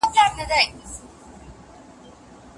ولي غصه کوونکی نور هم ضدي کيږي؟